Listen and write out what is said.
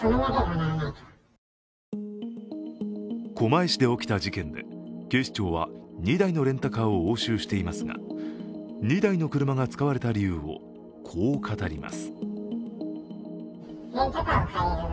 狛江市で起きた事件で警視庁は２台のレンタカーを押収していますが２台の車が使われた理由をこう語ります。